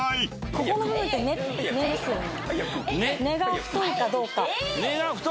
ここの部分って根ですよね。